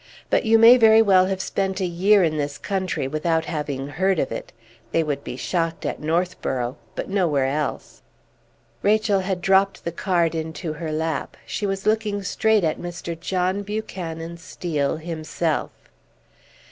But you may very well have spent a year in this country without having heard of it; they would be shocked at Northborough, but nowhere else." Rachel had dropped the card into her lap; she was looking straight at Mr. John Buchanan Steel himself.